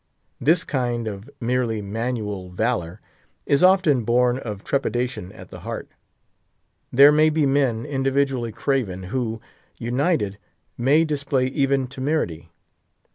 This kind of merely manual valour is often born of trepidation at the heart. There may be men, individually craven, who, united, may display even temerity.